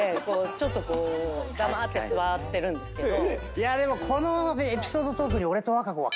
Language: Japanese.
ちょっとこう黙って座ってるんですけど。